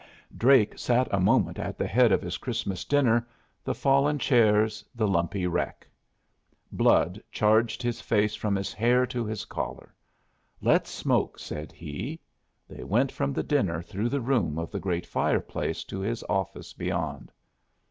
Drake sat a moment at the head of his Christmas dinner, the fallen chairs, the lumpy wreck. Blood charged his face from his hair to his collar. "Let's smoke," said he. They went from the dinner through the room of the great fireplace to his office beyond.